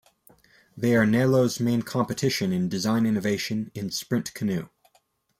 They are Nelo's main competition in design innovation in sprint canoe.